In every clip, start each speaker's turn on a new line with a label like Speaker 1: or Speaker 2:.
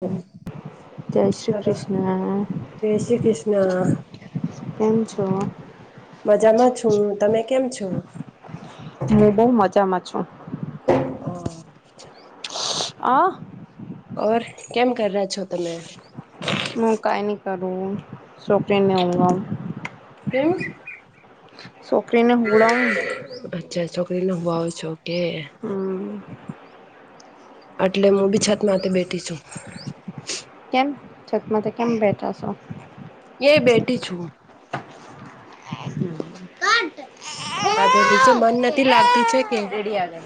Speaker 1: હમ્મ.
Speaker 2: જય શ્રી કૃષ્ણ.
Speaker 1: જય શ્રી કૃષ્ણ
Speaker 2: કેમ છો?
Speaker 1: મજામાં છુ, તમે કેમ છો?
Speaker 2: હુ બહુ મજામાં છુ.
Speaker 1: આ
Speaker 2: આ
Speaker 1: ઓર કેમ, કર રહ્યા છો, તમે?
Speaker 2: હુ કઈ નહી, કરુ શોકરીને હો
Speaker 1: હમ્મ
Speaker 2: છોકરીને, હુળગ
Speaker 1: પભાવ છોકે. એટલે હુ, બી છતમા બેઠી છું.
Speaker 2: છત, કેમ બેઠા છો.
Speaker 1: એ બેઠી છુ.
Speaker 2: ઘટ
Speaker 1: રાધે નીચે મન નથી લાગતું છે કે
Speaker 2: રેડી આવે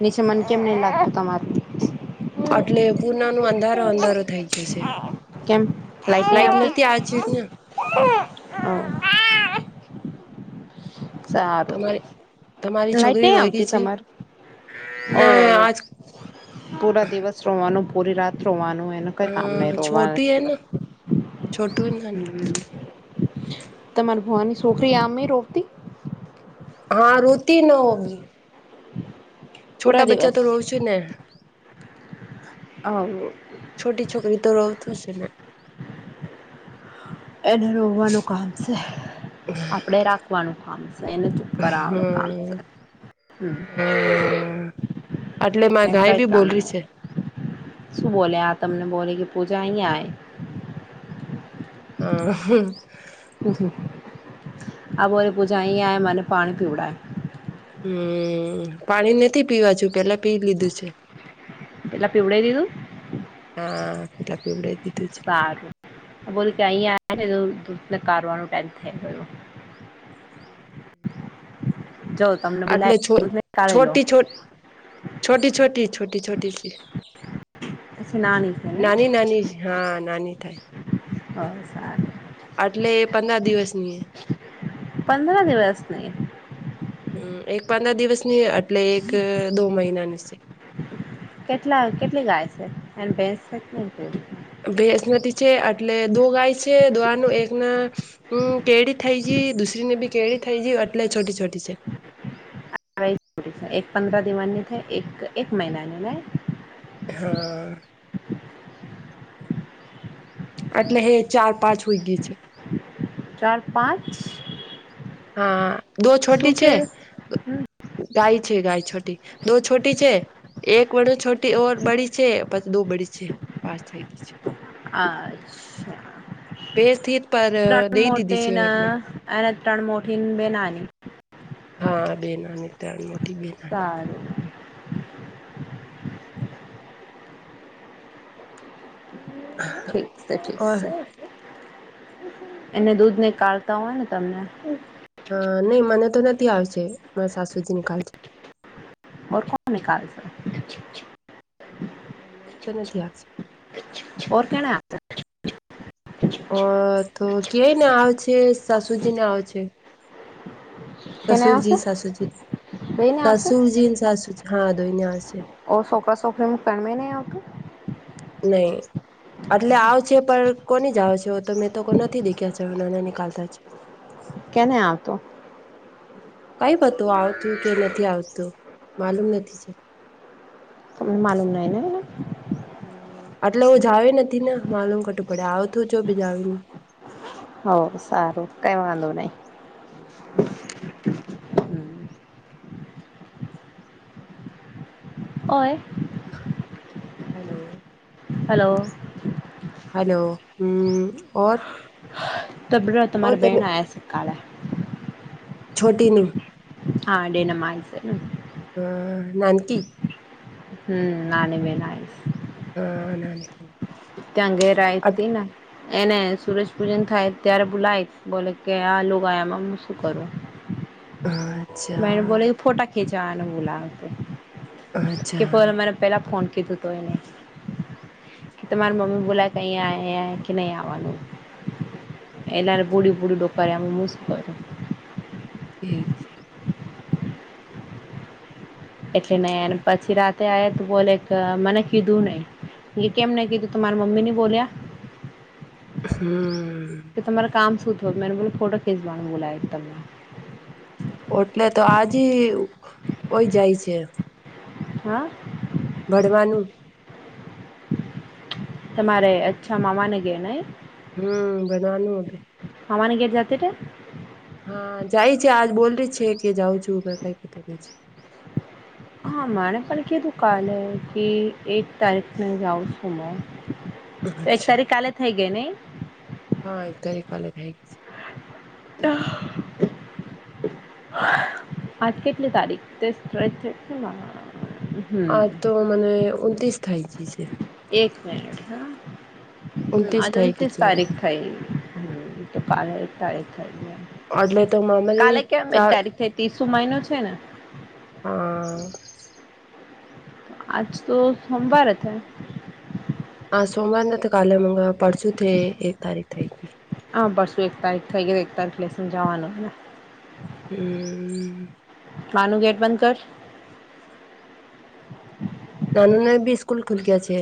Speaker 2: નીચે, મને કેમ નહ લાગતું તમારે
Speaker 1: એટલે પૂના ન અધારો અધારો થઈ, જશે
Speaker 2: કેમ લાઈટ નહી આવતી
Speaker 1: લાઈટનરથી આજ ના
Speaker 2: સારું
Speaker 1: તમારી
Speaker 2: લાઈટ
Speaker 1: છોકરી
Speaker 2: નહી,
Speaker 1: રોઈ ગઈ
Speaker 2: આવતી
Speaker 1: છે
Speaker 2: તમાર ઓ
Speaker 1: ના આજ
Speaker 2: પૂરા દિવસ રોવાનુ પૂરી, રાત રોવાનું એનું
Speaker 1: અ
Speaker 2: કઈ કામ નહી, રોવા
Speaker 1: છોટી હે
Speaker 2: નથી.
Speaker 1: ને છોટું હે ને.
Speaker 2: તમારે ભવાની છોકરી આમ, રોપતી
Speaker 1: હા, રોતી ન હોગ.
Speaker 2: પૂરા
Speaker 1: છોટા બચ્ચા,
Speaker 2: દિવસ
Speaker 1: તો રોવ છ, ને
Speaker 2: હે
Speaker 1: છોટી છોકરી તો રહતું છે, ને
Speaker 2: એને રોવાનું કામ છે. આપણેે રાખવાનું કામ છે, એને ચુપ કરવાનું કામ
Speaker 1: હમ
Speaker 2: છે. હમ
Speaker 1: એટલે મા ગાય બી બોલરી છે.
Speaker 2: સુુ બોલે, આતમને બોલે કે પૂજાહી આય
Speaker 1: આ હમ્મ.
Speaker 2: આ બો પૂજા આય મને પાણી, પીડાાય
Speaker 1: હમ પાણી નથી પીવા છુ પેલા પી લીધું છે
Speaker 2: એટપ એવડ એ લુ
Speaker 1: હાટાી ઉડે.
Speaker 2: સારું બોલ કે અહી નનેકારવાનું ટાઈમ થઈ ગયો. જો તમને બોલાય
Speaker 1: એટલે છો
Speaker 2: દૂધને કાઢી લો
Speaker 1: છોટી છો. છોટી, છોટી, છોટી છોટી સ
Speaker 2: પછી નાની છે
Speaker 1: નાની, નાની હા, નાની થાય.
Speaker 2: હ, સારુ
Speaker 1: આટલે એ પદર દિવસની, એ
Speaker 2: સુસ્ક્રીન
Speaker 1: પદર દિવસની એટલે એક દો મહિનાની છે.
Speaker 2: કેટલા કેટલી ગાય છે, એ બે છે, કે
Speaker 1: ભેસ નથી છે, એટલે દો ગાય છે, દો આ ન એક ના કેડી થઈ જ. દૂરીને બી કેળ થઈ જ એટલે છોટી, છોટી છે
Speaker 2: એક પદરહ દિવાની, થ એક એક મહનાની ન
Speaker 1: હા આટલે હે ચાર પાંચ હોય ગઈ છે
Speaker 2: ચાર પાંચ
Speaker 1: હા દો છોટી છે ગાય છે ગાય છોટી દો છોટી છે એક વડ છોટી ઓર બડી છે પત દો બડી છે પાસ થઈ ગઈ છે
Speaker 2: અચ્છા
Speaker 1: બે સ્થિત પર
Speaker 2: ત્રણ
Speaker 1: દઈ દીધી
Speaker 2: મોટે
Speaker 1: છે
Speaker 2: ના
Speaker 1: એમને
Speaker 2: ટ્રણ મોઠિન બે નાની
Speaker 1: હા બે નાની ત્રણ મોટી બે નાની
Speaker 2: સારું
Speaker 1: હમ
Speaker 2: ઠીક છે ઠીક
Speaker 1: ઓર
Speaker 2: છે એને દૂધ ને કાઢતા હોય ને તમને
Speaker 1: હા નઈ મને તો નથી આવશે મારા સાસુજી નિકાલ
Speaker 2: બ કોણ નિકાલશે
Speaker 1: હ મને તો નથી આપશે
Speaker 2: ઓર કેના
Speaker 1: ઓર તો કે ને આવ છે સાસુજી ને આવ છે
Speaker 2: કેને આવશે
Speaker 1: સસુરજી સાસુજી
Speaker 2: બેને આવશે
Speaker 1: સસુરજી સાસુજી હા [unintelligible]
Speaker 2: ઓ સોખા સોખી કામે ને આવતી
Speaker 1: નઈ એટલે આવ છે પર કો ની જા છે તો મેં તો કો નથી દેખ્યા છે નાને નનીકાલતા જ
Speaker 2: કેને આવતો
Speaker 1: કઈ બતું આવતું કે નથી આવતું માલુમ નથી છે
Speaker 2: તમને માલુમ નહી ને
Speaker 1: આટલે જાવે નથી ને માલુમ કટું પડે આવતું જો બી જ આવીને
Speaker 2: હો સારું કઈ વાંધો નઈ
Speaker 1: હમ
Speaker 2: અ
Speaker 1: હલો
Speaker 2: હલો.
Speaker 1: હલો હ ઓર
Speaker 2: તો બ
Speaker 1: ઓર
Speaker 2: તમારી
Speaker 1: તમે
Speaker 2: બેન આયા છે કાલા
Speaker 1: છોટીનું
Speaker 2: હા ડેન મા છે
Speaker 1: હ નાનકી
Speaker 2: હમ નાની બેન આવીશ
Speaker 1: હ નાનક
Speaker 2: તંગે રાય તીના એને સૂરજ પૂજન થાય ત્યારે બલાયક બોલે કે આલ ગયામાં હું શું કરું મે
Speaker 1: અચ્છા
Speaker 2: બોલો ફોટા ખીંચવાના બોલાવેતે કે પેર
Speaker 1: અચ્છા
Speaker 2: મેરે પહેલા ફોન કીધું તો એને કે તમારી મમ્મી બોલા કહીં આ આઈ કે નહીં આવાનું એલ બૂડી બુડી ડોકમ મુસ્કો છ
Speaker 1: હીક છે
Speaker 2: એટલે નહીને પછી રાતે આ તો બોલે મને કીધું નઈ એ કેમ નહી કીધું તમારા મમ્મી ની બોલ્યા
Speaker 1: હમ
Speaker 2: કે તમારે કામ શું થ મેને બોલો ફોટો ખેંચવાનું બોલાવે તમને
Speaker 1: અચ્છા એટલે તો આજ હોય જાય છે
Speaker 2: હાં
Speaker 1: ભળવાનું.
Speaker 2: તમારે અચ્છા માવાને ગે નેય.
Speaker 1: હમ્મ બધવાનું હ.
Speaker 2: મામાની ગેર જાતતે.
Speaker 1: હા જાય છે આજ બોલી છે કે જાઉ છું કઈ. [unintelligible]
Speaker 2: હા મરે પણ કીધું કાલે હ કી એક તારીખને જાઉં છું હ. તો એક
Speaker 1: અચ્છા
Speaker 2: તારીખ કાલે થઈ ગઈ નીય.
Speaker 1: હા એક તારી કાલે થઈ ગઈ છે.
Speaker 2: [inaudible] આજ કેટલી તારીખ સ [unintelligible] છે.
Speaker 1: આ તો મને ઉંનત્રીસ થાય જ છે.
Speaker 2: આજ
Speaker 1: ઉનત્રીસ થાય ગઈ
Speaker 2: ત્રીસ
Speaker 1: છે એમ
Speaker 2: તારીખ થઈ. તો કાલે એક તારીક.
Speaker 1: એટલે તો મામારી
Speaker 2: કાલે કેમ એક
Speaker 1: ચાર
Speaker 2: તારીક થય તીશું મહિનો છે ને.
Speaker 1: હા.
Speaker 2: આજ તો સોમવાર હતા.
Speaker 1: હા સોમવારને તો કાલે મ પડશું થ એક તારીખ થઈ ગઈ.
Speaker 2: હા પરસું એક તારીખ થઈ ગય એક તારીખ લઈસ જવાનુંને.
Speaker 1: [inaudible]
Speaker 2: માનું ગેટ બંધ કર.
Speaker 1: નાનુ ને બી સ્કૂલ ખુલ ગયા છે.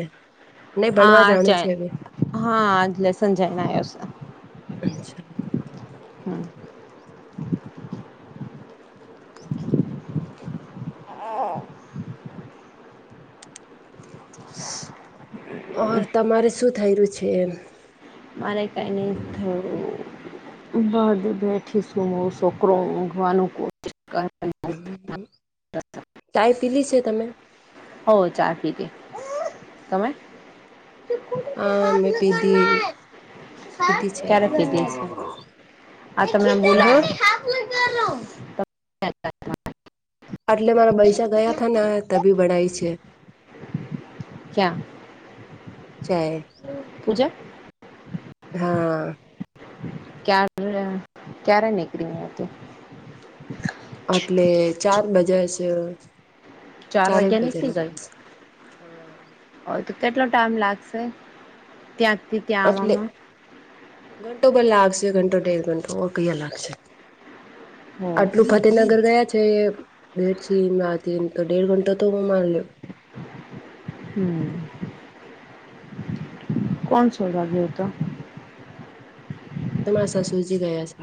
Speaker 1: નહી ભણવા જાણું છે
Speaker 2: આજાય
Speaker 1: હવે
Speaker 2: હા લેસંજયને આવ્યો છે.
Speaker 1: અચછ.
Speaker 2: [inaudible] [inaudible] [inaudible]
Speaker 1: ઓર તમારે શું થઈ રહ્યું છે, એમ.
Speaker 2: મારે કંઈને થોડું બદ બેઠી સુુંમું શોકરોગવાનું કો
Speaker 1: ચાય પીલી છે, તમે
Speaker 2: હો ચાર પીધી તમે?
Speaker 1: હા મેં પીધી પીધી
Speaker 2: [unintelligible]
Speaker 1: છે
Speaker 2: ક્યારે પીધી છે, આ તમનેમ બોલા
Speaker 1: હા
Speaker 2: [unintelligible]
Speaker 1: આટલે મારા પૈસા ગયા હતા ને ત બી ભણાય છે.
Speaker 2: ક્યાં.
Speaker 1: ચાય
Speaker 2: પૂજા
Speaker 1: હા.
Speaker 2: ક્યારે ક્યારે નીકળી હતી.
Speaker 1: એટલે ચાર બજે છે.
Speaker 2: ચાર
Speaker 1: ચારેક
Speaker 2: વાગ્યા
Speaker 1: બજા
Speaker 2: નીકડી ગઈ.
Speaker 1: હા
Speaker 2: તો કેટલો ટાઈમ લાગશે ત્યાં.
Speaker 1: એટલે
Speaker 2: આવવામાં
Speaker 1: ઘંટો બંધ લાગશે. ઘંટો દેઢ ઘંટો ઓ કયા લાગશે
Speaker 2: હો
Speaker 1: આટલું ફતેહનગર ગયા છે. તે [unintelligible] તો દેઢ ઘંટો તો માન લ્યો.
Speaker 2: હમ્મ. કોનસોલવા ગયોતો.
Speaker 1: તમારે સાસૂજી ગયા છે.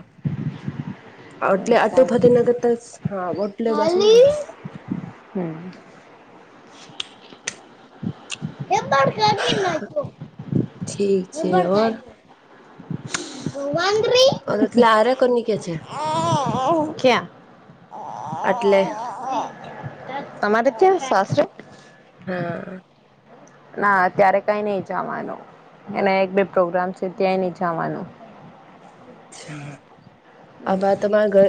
Speaker 1: આટલે આટે
Speaker 2: સારું
Speaker 1: ફતેહનગર ત હા ઓટલે બાસુ [unintelligible]
Speaker 2: હમ્મ. [inaudible]
Speaker 1: ઠીક છે ઓર
Speaker 2: [inaudible]
Speaker 1: અર એટલે આરે કોની કે છે.
Speaker 2: કયાં.
Speaker 1: આટલે
Speaker 2: કેવુ શાસ્ત્ર
Speaker 1: હા.
Speaker 2: ના અત્યારે કંઈ નઈ જવાનું એને એક બે પ્રોગ્રામ છે, ત્યાંય ની જવાનું
Speaker 1: આભાઈ તમારે ઘર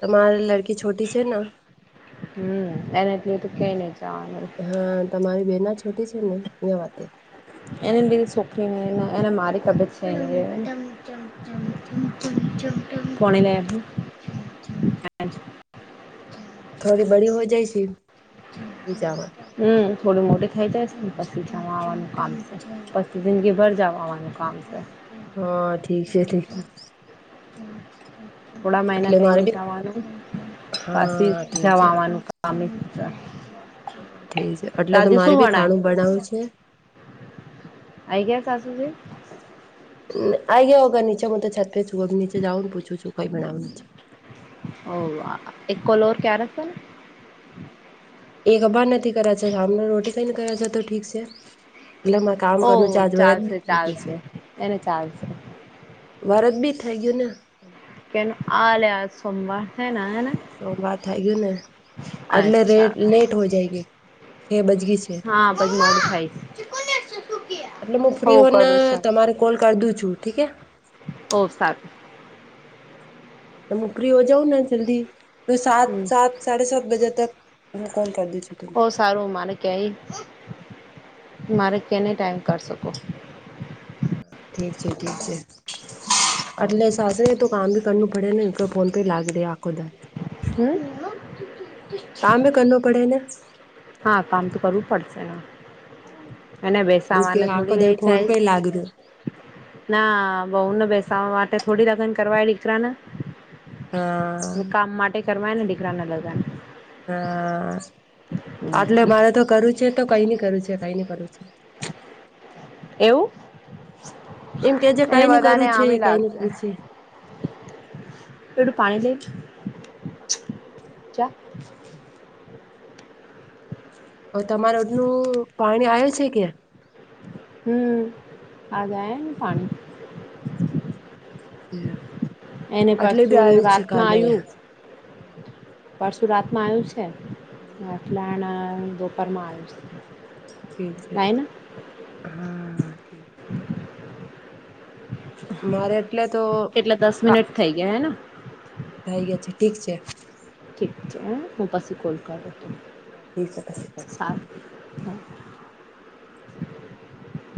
Speaker 1: તમારે લ‌ ડકી છોટી છે ને
Speaker 2: હમ એને એટલે તું કેય ને
Speaker 1: હા તમારી બેના છોટી છે, ને એ વાતે
Speaker 2: એને પેલી સોખી એને મારી તબજ છે, એની એ
Speaker 1: [inaudible]
Speaker 2: આજ.
Speaker 1: થોડી બડી હો જાય છે, હુઈ જવા માંડ
Speaker 2: થોડું મોટી થઈ જાયશે ને પછી જવા આવવાનું કામ છે, પછી જિંદગીભર જવા આવવાનું કામ છે.
Speaker 1: હા ઠીક છે, ઠીક છે.
Speaker 2: થોડા મહિના
Speaker 1: એટલે
Speaker 2: કંઈ
Speaker 1: મારે
Speaker 2: ની
Speaker 1: બી
Speaker 2: જાવાનું પાછી
Speaker 1: હા ઠીક છે
Speaker 2: જવાવાનું કામે [unintelligible]
Speaker 1: હા ઠીક છે, એટલે તો મારે બી ખાણું બનાવું છે.
Speaker 2: આઈ ગયા સાસુજી
Speaker 1: આઈ ગયા અગર નીચે મુજબ તો છત પે છું અબ નીચે જાઉ પૂછું છું કંઈ બનાવયું છે.
Speaker 2: ઓ એકોલોર ક્યારે શેને
Speaker 1: એકબાર નથી કદાચ સાને રોટી કઈને કરે છે, તો ઠીક છે. એટલે મે કામ
Speaker 2: ઓ
Speaker 1: કરીને ચાર્જ વરજ
Speaker 2: ચાલશે
Speaker 1: બી થઈ ગયું છે,
Speaker 2: ચાલશે એને ચાલશે
Speaker 1: વરજ બી થ ય ગયુંને
Speaker 2: કે આલે આજ સોમવાર હે ને હે ને
Speaker 1: સોમવાર થઈ ગયું ને એટલે રે
Speaker 2: અચ્છા
Speaker 1: લેટ હો જાય ગયુ
Speaker 2: હા પગમાં દુખાઈ
Speaker 1: એટલે હું ફ્રી હોને તમારે કોલ કર દું છુ ઠીક હે
Speaker 2: ઓફ સાર
Speaker 1: તમે ફ્રી હો જાઓ ને જલ્દી તો સાત
Speaker 2: હમ
Speaker 1: સાત સાડે સાત બજે તક હું કોણ કરદી
Speaker 2: બો સારું માને કય મારે કેને ટાઈમ કાઢી શકો
Speaker 1: ઠીક છે, ઠીક છે, એટલે સાશે તો કામ ભી કરનું આપડેને ફોન પરે લાગે આ
Speaker 2: હમ.
Speaker 1: કામ એ કરનો પડેને
Speaker 2: હા કામ તો કરવું પડશે હા અને
Speaker 1: દુકે
Speaker 2: બેસાવાનું
Speaker 1: આખો
Speaker 2: થોડી
Speaker 1: દાડ ફોન પે લાગી રહ્યો
Speaker 2: વેચાય ના બોવને બેસાડવા માટે થોડી લગન કરવાય દીકરાને
Speaker 1: હા.
Speaker 2: કરમાય ને દીકરાના લગ્ન
Speaker 1: હા. આટલે મારે તો કરવું છે તો કઈ ની કરું છે, કઈ ની કરું છે.
Speaker 2: એવું
Speaker 1: એમ કે જે
Speaker 2: એને
Speaker 1: કઈ નઈ
Speaker 2: બધાને
Speaker 1: કરવું છે
Speaker 2: આમી
Speaker 1: કઈ નઈ
Speaker 2: લાગશે
Speaker 1: કરવું છે
Speaker 2: બેટુ પાણી લેજા
Speaker 1: અ તમારે ઓડનું પાણી આવે છે કે?
Speaker 2: હમ આજાય ને પાણી એને
Speaker 1: આટલે બી
Speaker 2: પરસું
Speaker 1: આવ્યું છે
Speaker 2: રાતમાં
Speaker 1: કાલે હમ.
Speaker 2: પરસુરાતમાં આવ્યું છે, એટલા ના બપોરમાં આવ્યું છે.
Speaker 1: ઠીક છે,
Speaker 2: લાઈને
Speaker 1: હા ઠીક છે. મારે એટલે તો
Speaker 2: એટલે દસ
Speaker 1: કા
Speaker 2: મિનિટ થઈ ગયા હેને
Speaker 1: થય ગયા છે. ઠીક છે.
Speaker 2: ઠીક છે, હે હું પછી કોલ કરું
Speaker 1: હા ઠીક છે, પસી કોલ
Speaker 2: હા.